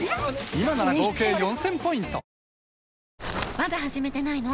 まだ始めてないの？